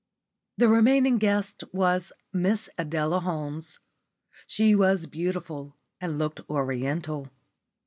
The remaining guest was Miss Adela Holmes. She was beautiful and looked Oriental.